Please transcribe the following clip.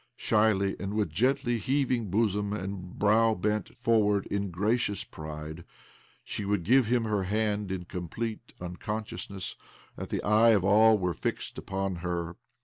Shyly, and with gently heaving bosom and brow bent forward in gracious pride, she would give him her hand in complete unconsciousness that the eyes of all were fixed upon her.